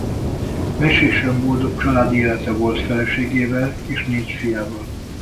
Mesésen boldog családi élete volt feleségével és négy fiával.